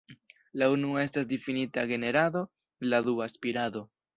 La unua estas difinita "generado", la dua "spirado".